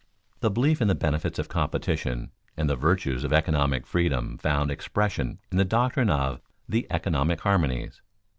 The belief in the benefits of competition and the virtues of economic freedom found expression in the doctrine of "the economic harmonies."